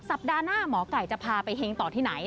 สัปดาห์หน้าหมอไก่จะพาไปเฮงต่อที่ไหน